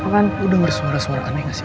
lo denger suara suara aneh gak sih